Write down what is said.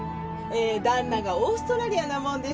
え旦那がオーストラリアなもんですから。